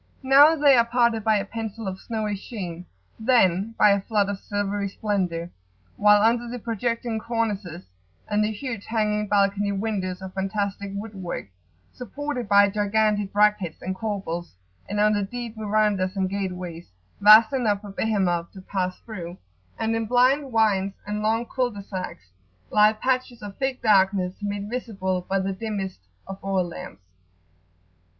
Now they are parted by a pencil of snowy sheen, then by a flood of silvery splendour; while under the projecting cornices and the huge hanging balcony windows of fantastic wood work, supported by gigantic brackets and corbels, and under deep verandahs, and gateways, vast enough for Behemoth to pass through, and in blind wynds and long cul de sacs, lie patches of thick darkness, made visible by the dimmest of oil lamps.